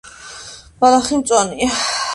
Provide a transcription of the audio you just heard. ბალახი მწვანეა